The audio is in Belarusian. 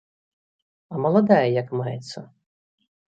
А маладая як маецца?